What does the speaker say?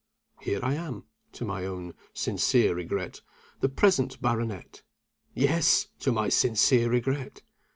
Here I am (to my own sincere regret) the present baronet. Yes, to my sincere regret!